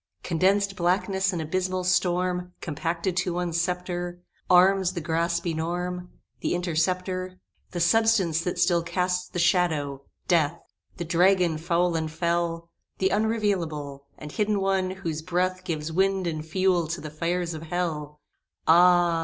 Condensed blackness and abysmal storm Compacted to one sceptre Arms the Grasp enorm The Interceptor The Substance that still casts the shadow Death! The Dragon foul and fell The unrevealable, And hidden one, whose breath Gives wind and fuel to the fires of Hell! Ah!